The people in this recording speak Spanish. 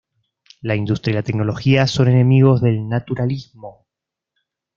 La industria y la tecnología son enemigos del naturalismo.